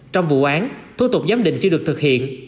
trong vụ án thủ tục giám định chưa được thực hiện